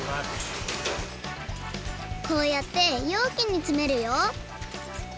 こうやってようきにつめるよ。